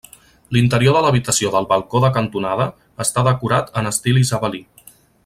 L'interior de l'habitació del balcó de cantonada està decorat en estil isabelí.